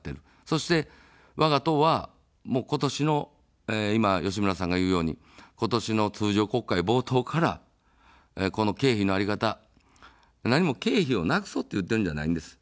そして、わが党は今年の、いま吉村さんが言うように今年の通常国会冒頭からこの経費の在り方、何も経費をなくそうと言っているわけではないんです。